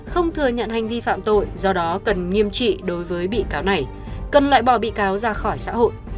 không thừa nhận hành vi phạm tội do đó cần nghiêm trị đối với bị cáo này cần loại bỏ bị cáo ra khỏi xã hội